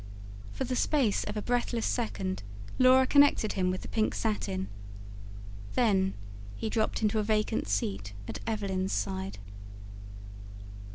For the space of a breathless second Laura connected him with the pink satin; then he dropped into a vacant seat at Evelyn's side.